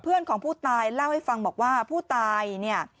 เพื่อนของผู้ตายเล่าให้ฟังบอกว่าผู้ตายเนี่ย